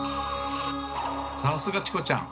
さすがチコちゃん！